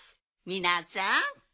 みなさん